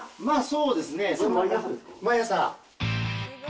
まあそうですね。